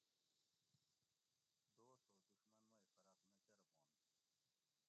دوست او دشمن مئی فرق نہ کۤربنت